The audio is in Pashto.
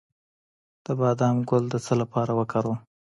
د بادام ګل د څه لپاره وکاروم؟